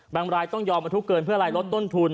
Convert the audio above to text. รายต้องยอมประทุกเกินเพื่ออะไรลดต้นทุน